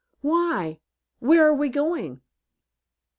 "Why, where are we going?"